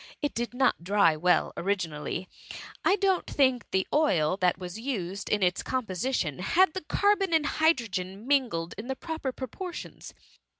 It did not dry well originally ; I don't think the oil that was used in its compo»tion had the car* bon and hydrogen mingled in proper propor tions.